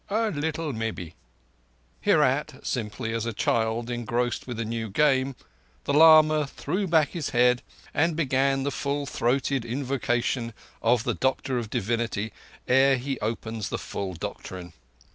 "A little, maybe." Hereat, simply as a child engrossed with a new game, the lama threw back his head and began the full throated invocation of the Doctor of Divinity ere he opens the full doctrine.